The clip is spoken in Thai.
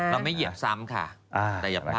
เราไม่เหยียบซ้ำค่ะแต่อย่าพลาด